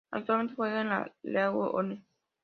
Actualmente juegan en la League One.